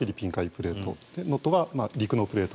プレート能登は陸のプレート。